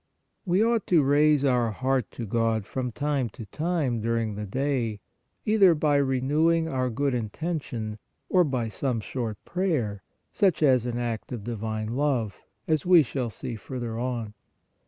We ought to raise our heart to God from time to time during the day either by renewing our good intention or by some short prayer, such as an act of divine love, as we shall see further on.